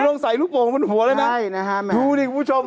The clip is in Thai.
ลงใส่ลูกโป่งบนหัวแล้วนะใช่นะฮะดูดิคุณผู้ชม